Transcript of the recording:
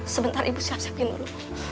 sebentar ibu siap siapin dulu